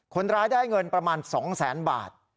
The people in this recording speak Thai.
คนร้ายได้เงินประมาณ๒แสนบาท